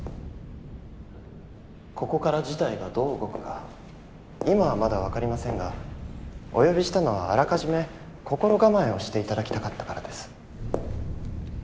ここから事態がどう動くか今はまだ分かりませんがお呼びしたのはあらかじめ心構えをして頂きたかったからです。